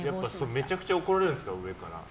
めちゃくちゃ怒られるんですか上から。